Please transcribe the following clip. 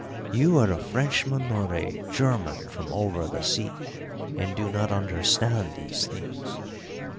"You are a Frenchman or a German from over the sea, and do not understand these things.